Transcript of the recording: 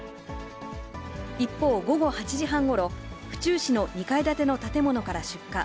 一方、午後８時半ごろ、府中市の２階建ての建物から出火。